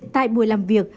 tại buổi làm việc